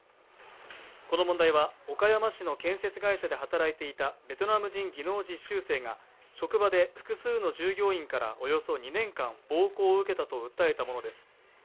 この問題は岡山市の建設会社で働いていたベトナム人技能実習生が職場で複数の従業員からおよそ２年間暴行を受けたと訴えたものです